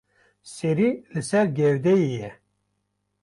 Serî li ser gewdeyê ye.